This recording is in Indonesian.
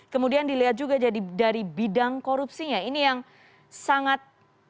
kemudian dilihat juga jadi dari bidang korupsinya ini yang sangat